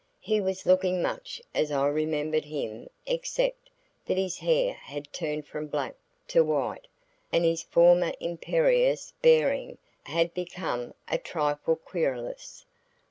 He was looking much as I remembered him except that his hair had turned from black to white, and his former imperious bearing had become a trifle querulous.